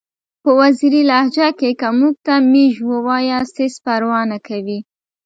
په وزیري لهجه کې که موږ ته میژ ووایاست هیڅ پروا نکوي!